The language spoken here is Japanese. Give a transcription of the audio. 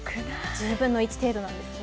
１０分の１程度なんですね。